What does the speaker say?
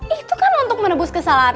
itu kan untuk menebus kesalahan